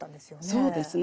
そうですね。